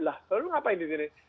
lah lu ngapain disini